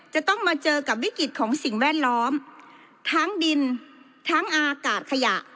จะต้องมาเจอกับวิกฤตของสิ่งแวดล้อมทั้งดินทั้งอากาศขยะ